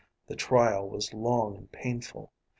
The trial was long and painful.